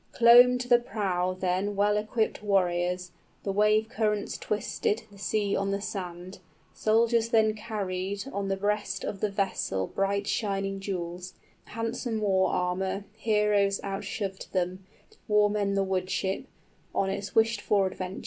Clomb to the prow then Well equipped warriors: the wave currents twisted The sea on the sand; soldiers then carried 25 On the breast of the vessel bright shining jewels, Handsome war armor; heroes outshoved then, Warmen the wood ship, on its wished for adventure.